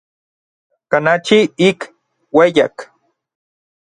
Kanachi ik ueyak.